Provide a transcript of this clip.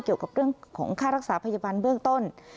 เกี่ยวกับเรื่องของค่ารักษาพยาบาลเบื้องต้น